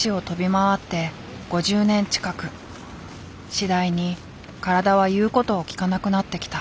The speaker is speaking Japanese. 次第に体は言うことを聞かなくなってきた。